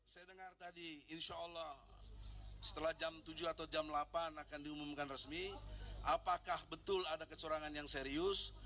saya dengar tadi insya allah setelah jam tujuh atau jam delapan akan diumumkan resmi apakah betul ada kecurangan yang serius